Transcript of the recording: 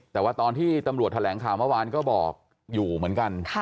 แต่ว่าตอนที่ตำรวจแถลงข่าวเมื่อวานก็บอกอยู่เหมือนกัน